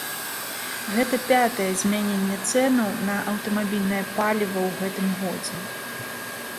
Гэта пятае змяненне цэнаў на аўтамабільнае паліва ў гэтым годзе.